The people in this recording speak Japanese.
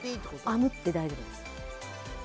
あむ！って大丈夫です。